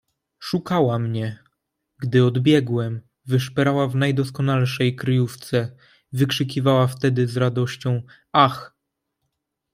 "Szukała mnie, gdy odbiegłem, wyszperała w najdoskonalszej kryjówce, wykrzykiwała wtedy z radością: „Ach!"